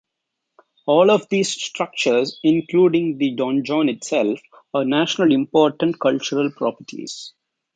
All of these structures, including the donjon itself, are National Important Cultural Properties.